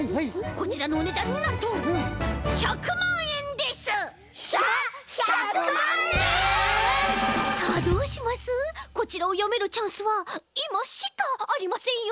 こちらをよめるチャンスはいましかありませんよ。